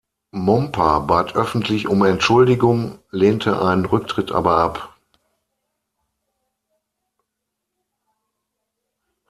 Momper bat öffentlich um Entschuldigung, lehnte einen Rücktritt aber ab.